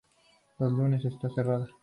Los lunes está cerrada.